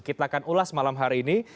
kita akan ulas malam hari ini